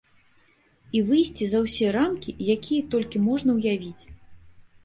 І выйсці за ўсе рамкі, якія толькі можна ўявіць.